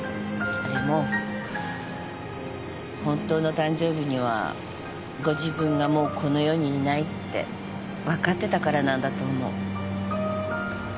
あれも本当の誕生日にはご自分がもうこの世にいないって分かってたからなんだと思う。